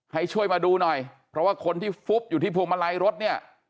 ให้ช่วยมาดูหน่อยเพราะว่าคนที่ฟุบอยู่ที่พวงมาลัยรถเนี่ย